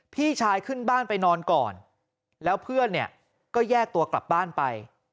พี่ชายขึ้นบ้านไปนอนก่อนแล้วเพื่อนเนี่ยก็แยกตัวกลับบ้านไป